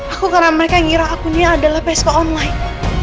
aku karena mereka ngira aku ini adalah pesko online